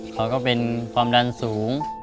เขาก็เป็นความดันสูง